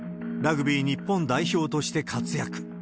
ラグビー日本代表として活躍。